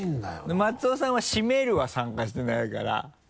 で松尾さんは「閉める」は参加してないから。